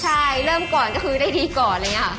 ใช่เริ่มก่อนก็คือได้ดีก่อนอะไรอย่างนี้ค่ะ